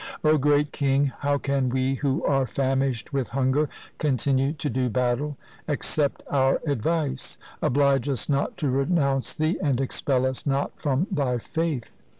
O great king, how can we who are famished with hunger continue to do battle. Accept our advice. Oblige us not to renounce thee, and expel us not from thy faith.